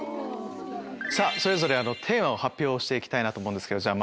さぁそれぞれテーマを発表して行きたいなと思うんですけど。